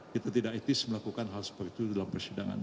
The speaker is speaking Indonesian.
kita tidak etis melakukan hal seperti itu dalam persidangan